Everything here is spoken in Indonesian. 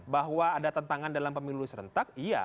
bahwa ada tantangan dalam pemilu serentak iya